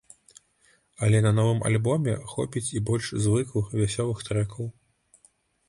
Але на новым альбоме хопіць і больш звыклых вясёлых трэкаў.